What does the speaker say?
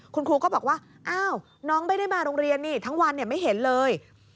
คุณครูก็บอกว่าอ้าวน้องไม่ได้มาโรงเรียนนี่ทั้งวันไม่เห็นเลย